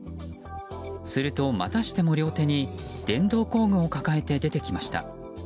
すると、またしても両手に電動工具を抱えて出てきました。